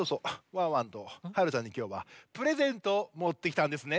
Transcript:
ワンワンとはるちゃんにきょうはプレゼントをもってきたんですね。